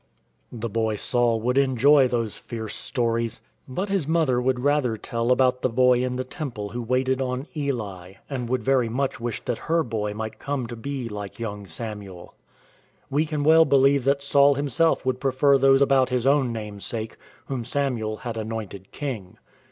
The boy Saul would enjoy those fierce stories, but 34 IN TRAINING his mother would rather tell about the boy in the temple who waited on Eli, and she would very much wish that her boy might come to be like young Samuel. We can well believe that Saul himself would prefer those about his own namesake, whom Samuel had anointed king.